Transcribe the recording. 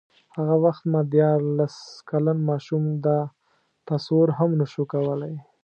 هغه وخت ما دیارلس کلن ماشوم دا تصور هم نه شو کولای.